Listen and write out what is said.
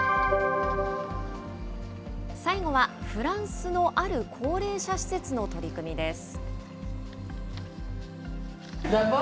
最後はフランスのある高齢者施設の取り組みです。